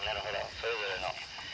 それぞれの。